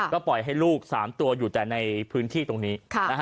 ก็ปล่อยให้ลูก๓ตัวอยู่แต่ในพื้นที่ตรงนี้